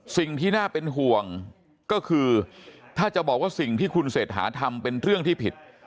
สิ่งที่น่าเป็นห่วงก็คือถ้าจะบอกว่าสิ่งที่คุณเศรษฐาทำเป็นเรื่องที่ผิด